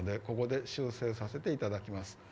ここで修正させていただきます。